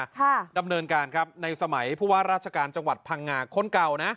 ค่ะดำเนินการครับในสมัยผู้ว่าราชการจังหวัดพังงาคนเก่านะ